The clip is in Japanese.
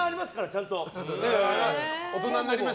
ちゃんと。